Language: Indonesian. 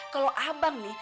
kalau abang nih